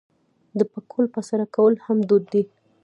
د پکول په سر کول هم دود دی.